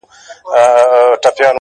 مور مي خپه ده ها ده ژاړي راته؛